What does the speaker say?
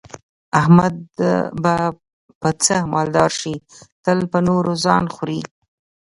احمد به په څه مالدار شي، تل په نورو ځان خوري.